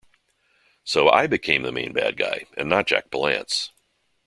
So, I became the main bad guy, and not Jack Palance.